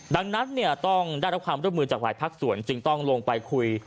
ดังนั้นเนี่ยต้องได้รับความร่วมมือจากหลายภาคส่วนจึงต้องลงไปคุย